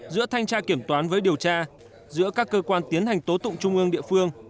giữa thanh tra kiểm toán với điều tra giữa các cơ quan tiến hành tố tụng trung ương địa phương